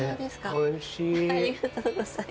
おいしい。